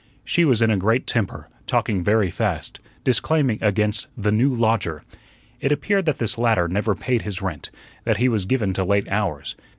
She was in a great temper, talking very fast, disclaiming against the "new lodger." It appeared that this latter never paid his rent; that he was given to late hours.